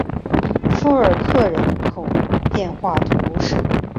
富尔克人口变化图示